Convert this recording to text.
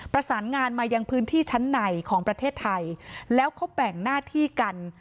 ประสานงานมายังพื้นที่ชั้นในของประเทศไทยแล้วเขาแบ่งหน้าที่กัน